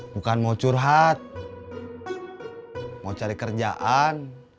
bukan mau curhat mau cari kerjaan